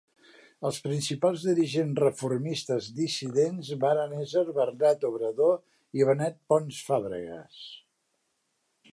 Els principals dirigents reformistes dissidents varen esser Bernat Obrador i Benet Pons Fàbregues.